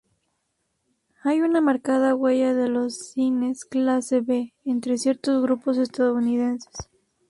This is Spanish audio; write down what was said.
Hay una marcada huella de los cines clase B entre ciertos grupos estadounidenses.